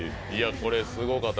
これすごかった。